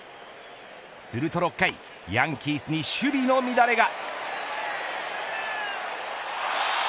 すると６回、ヤンキースに守備の乱れが。